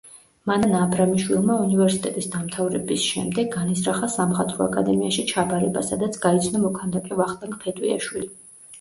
მანანა აბრამიშვილმა უნივერსიტეტის დამთავრების შემდეგ განიზრახა სამხატვრო აკადემიაში ჩაბარება, სადაც გაიცნო მოქანდაკე ვახტანგ ფეტვიაშვილი.